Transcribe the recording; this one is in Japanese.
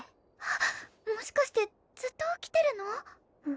あっもしかしてずっと起きてるの？